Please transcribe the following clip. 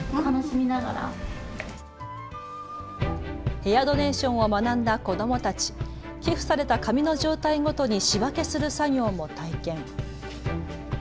ヘアドネーションを学んだ子どもたち、寄付された髪の状態ごとに仕分けする作業も体験。